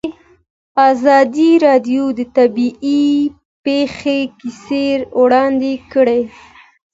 ازادي راډیو د طبیعي پېښې کیسې وړاندې کړي.